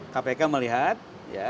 kpk melihat ya